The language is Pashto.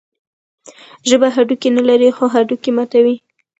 ژبه هډوکي نلري، خو هډوکي ماتوي.